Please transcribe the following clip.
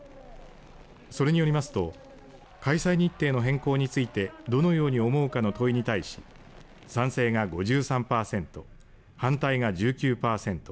それによりますと開催日程の変更についてどのように思うかの問いに対し賛成が５３パーセント反対が１９パーセント